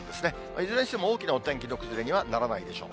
いずれにしても大きなお天気の崩れにはならないでしょう。